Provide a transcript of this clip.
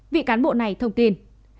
vị cán bộ này thông tin